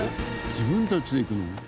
自分たちで行くの？